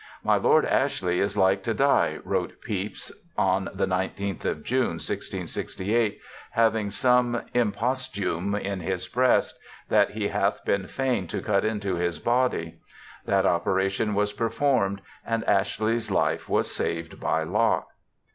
" My Lord Ashley is like to die," wrote Pepys on the 19th of June, 1668, " having some imposthume in his breast, that he hath been fain to cut into his body." That operation was performed, and Ashley's life was saved, by Locke.'